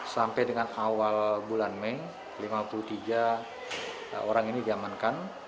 sampai dengan awal bulan mei lima puluh tiga orang ini diamankan